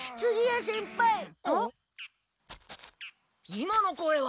今の声は？